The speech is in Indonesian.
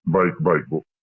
baik baik bu